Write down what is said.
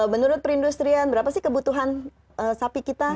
menurut perindustrian berapa sih kebutuhan sapi kita